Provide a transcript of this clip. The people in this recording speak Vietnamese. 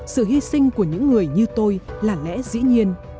sự hy sinh của những người như tôi là lẽ dĩ nhiên